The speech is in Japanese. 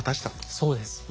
そうです。